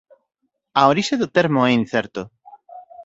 A orixe do termo é incerto.